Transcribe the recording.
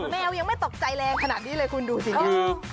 แมวยังไม่ตกใจแรงขนาดนี้เลยคุณดูสิเนี่ย